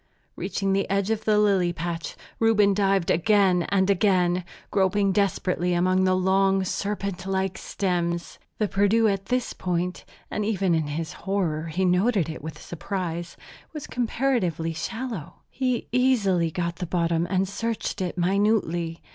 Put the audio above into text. Reaching the edge of the lily patch, Reuben dived again and again, groping desperately among the long, serpent like stems. The Perdu at this point and even in his horror he noted it with surprise was comparatively shallow. He easily got the bottom and searched it minutely.